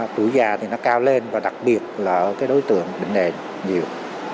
tuổi già thì nó cao lên và đặc biệt là ở cái đối tượng bệnh nền nhiều